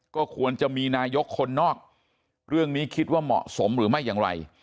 ก็ควรจะมีนายกคนนอกเรื่องนี้คิดว่าเหมาะสมหรือไม่อย่างไร